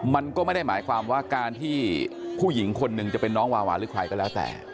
มันก็ไม่ได้หมายความว่าการที่ผู้หญิงคนหนึ่งจะเป็นน้องวาวาหรือใครก็แล้วแต่